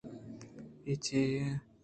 اے چے بے؟